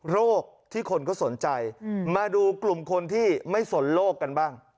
โรคที่คนก็สนใจมาดูกลุ่มคนที่ไม่สนโรคกันบ้าง